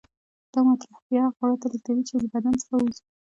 دا مواد اطراحیه غړو ته لیږدوي چې له بدن څخه ووځي.